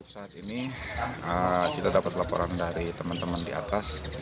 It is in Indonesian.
saat ini kita dapat laporan dari teman teman di atas